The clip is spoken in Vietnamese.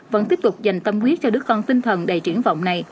vẫn tiếp tục dành tâm quyết cho đứa con tinh thần đầy triển vọng này